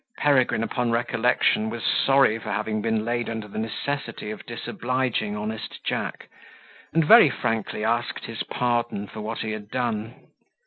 Peregrine, upon recollection, was sorry for having been laid under the necessity of disobliging honest Jack, and very frankly asked his pardon for what he had done.